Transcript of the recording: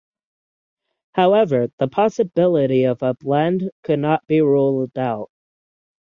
However, the possibility of a blend could not be ruled out.